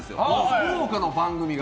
福岡の番組が。